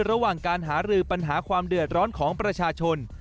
ระหว่างการหารือปัญหาความเดือดร้อนของประชาชน